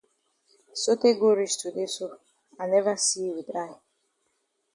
Sotay go reach today so I never see yi with eye.